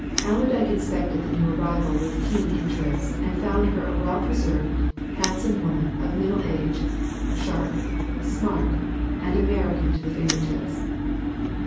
Allerdyke inspected the new arrival with keen interest and found her a well preserved, handsome woman of middle age, sharp, smart, and American to the finger tips.